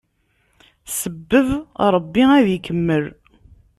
Sebbeb, Ṛebbi ad ikemmel!